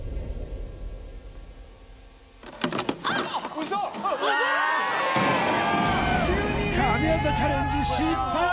うわ神業チャレンジ失敗！